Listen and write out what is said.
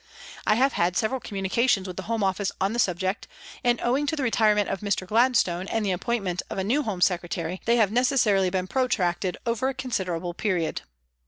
" I have had several communications with the Home Office on the subject, and owing to the retire ment of Mr. Gladstone and the appointment of a new Home Secretary, they have necessarily been protracted over a considerable period.